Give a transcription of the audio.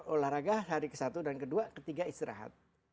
olahraga hari ke satu dan ke dua ketiga istirahat